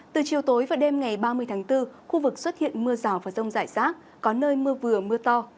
từ chiều tối và đêm ngày ba mươi tháng bốn khu vực xuất hiện mưa rào và rông rải rác có nơi mưa vừa mưa to